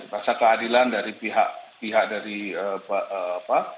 rasa keadilan dari pihak pihak dari apa